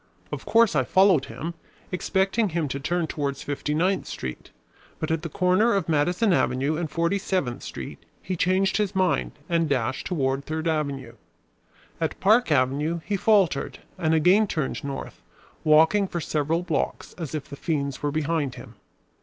Of course I followed him, expecting him to turn towards Fifty ninth Street, but at the corner of Madison Avenue and Forty seventh Street he changed his mind and dashed toward Third Avenue. At Park Avenue he faltered and again turned north, walking for several blocks as if the fiends were behind him.